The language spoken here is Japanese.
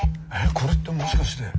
これってもしかして。